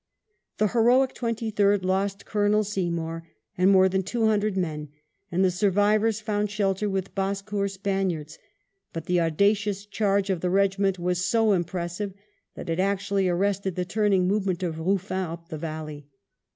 The heroic Twenty third lost Colonel Seymour and more than two hundred men, and the survivors found shelter with Bassecour's Spaniards ; but the audacious charge of the regiment was so impressive that it actually arrested the turning movement of Euffin up the valley.